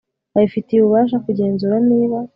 babifitiye ububasha kugenzura niba